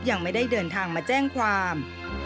ยังไม่ได้เดินทางมาแจ้งความ